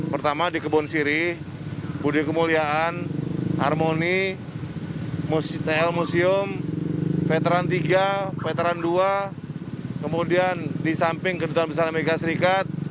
pertama di kebon sirih budi kemuliaan harmoni tl museum veteran tiga veteran dua kemudian di samping kedutaan besar amerika serikat